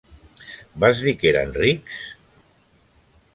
Vas dir que eren rics?